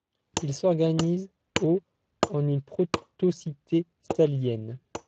Il s’organise au en une proto-cité salyenne.